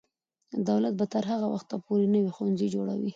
دولت به تر هغه وخته پورې نوي ښوونځي جوړوي.